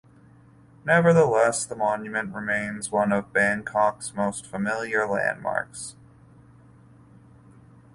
Nevertheless, the monument remains one of Bangkok's most familiar landmarks.